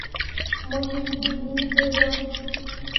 Mo hiŋ bii iŋ dǝyeero.